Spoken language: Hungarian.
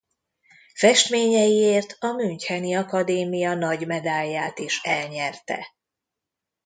Festményeiért a Müncheni Akadémia nagy medálját is elnyerte.